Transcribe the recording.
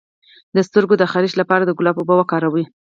د سترګو د خارښ لپاره د ګلاب اوبه وکاروئ